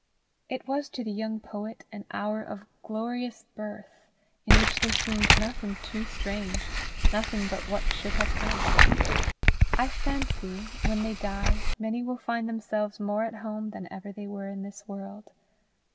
It was to the young poet an hour of glorious birth in which there seemed nothing too strange, nothing but what should have come. I fancy, when they die, many will find themselves more at home than ever they were in this world.